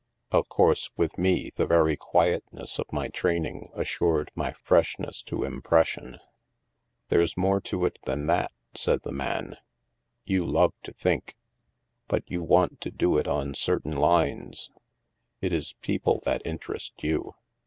Of course, with me, the very quietness of my training assured my freshness to impression.'* There's more to it than that," said the man, you love to think. But you want to do it on cer tain lines. It is people that interest you.